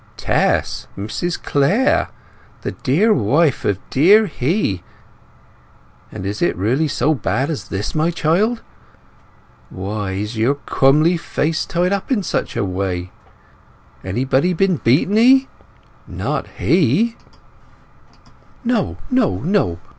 "Tess—Mrs Clare—the dear wife of dear he! And is it really so bad as this, my child? Why is your cwomely face tied up in such a way? Anybody been beating 'ee? Not he?" "No, no, no!